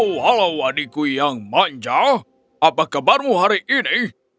walau adikku yang manja apa kabarmu hari ini